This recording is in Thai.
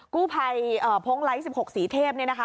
กู้ภัยพงไลท์๑๖สีเทพเนี่ยนะคะ